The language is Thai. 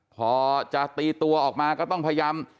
พอจะตีตัวออกมาก็ต้องพยายาม